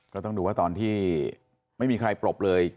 ก็ต้องดูว่าตอนที่ไม่มีใครปรบเลย